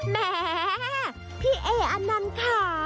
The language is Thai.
แหมพี่เอออนันต์ค่ะ